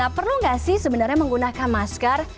perlu nggak sih sebenarnya menggunakan masker